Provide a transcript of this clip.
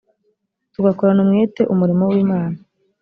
tugakorana umwete umurimo w imana